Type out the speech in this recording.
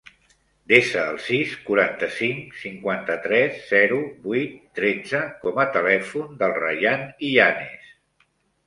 Desa el sis, quaranta-cinc, cinquanta-tres, zero, vuit, tretze com a telèfon del Rayan Illanes.